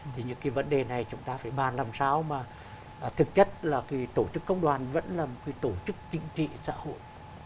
thì những cái vấn đề này chúng ta phải bàn làm sao mà thực chất là cái tổ chức công đoàn vẫn là một cái tổ chức chính trị xã hội